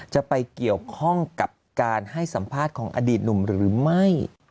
จะไปเกี่ยวข้องกับการให้สัมภาษณ์ของอดีตหนุ่มหรือไม่